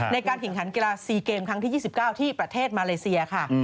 ในการแข่งขันกีฬา๔เกมครั้งที่๒๙ที่ประเทศมาเลเซียค่ะ